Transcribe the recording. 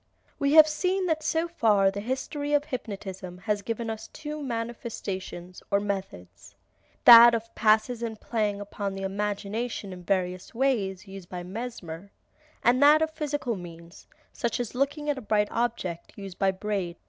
We have seen that so far the history of hypnotism has given us two manifestations, or methods, that of passes and playing upon the imagination in various ways, used by Mesmer, and that of physical means, such as looking at a bright object, used by Braid.